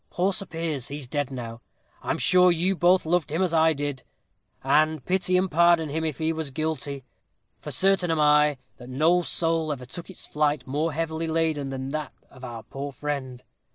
Poor Sir Piers, he's dead now. I'm sure you both loved him as I did, and pity and pardon him if he was guilty; for certain am I that no soul ever took its flight more heavily laden than did that of our poor friend.